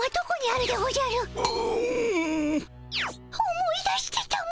思い出してたも。